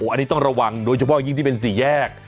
อันนี้ต้องระวังโดยเฉพาะยิ่งที่เป็นสี่แยก